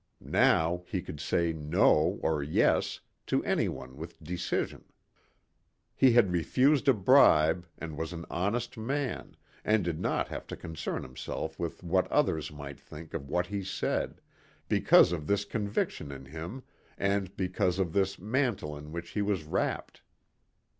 Now he could say "no" or "yes" to anyone with decision. He had refused a bribe and was an honest man and did not have to concern himself with what others might think of what he said, because of this conviction in him and because of this mantle in which he was wrapped.